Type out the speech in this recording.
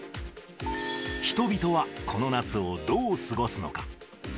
人々はこの夏をどう過ごすのか。